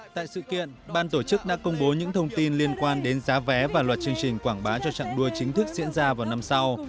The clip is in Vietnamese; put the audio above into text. tại sự kiện ban tổ chức đã công bố những thông tin liên quan đến giá vé và loạt chương trình quảng bá cho trạng đua chính thức diễn ra vào năm sau